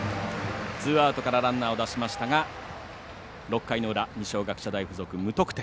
ツーアウトからランナーを出しましたが６回の裏二松学舎大付属、無得点。